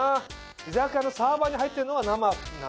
居酒屋のサーバーに入ってるのが生なんじゃないの？